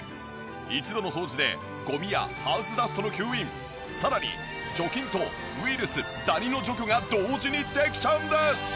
一度の掃除でゴミやハウスダストの吸引さらに除菌とウイルス・ダニの除去が同時にできちゃうんです！